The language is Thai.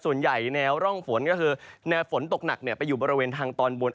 ส่วนใหญ่แนวร่องฝนก็คือฝนตกหนักไปอยู่บริเวณทางตอนบน